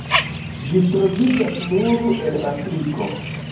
Ĝi troviĝas nur en Afriko.